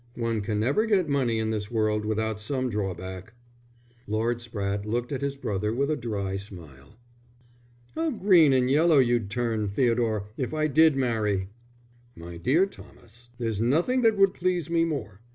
"One can never get money in this world without some drawback." Lord Spratte looked at his brother with a dry smile. "How green and yellow you'd turn, Theodore, if I did marry!" "My dear Thomas, there's nothing that would please me more.